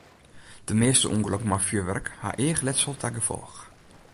De measte ûngelokken mei fjurwurk ha eachletsel ta gefolch.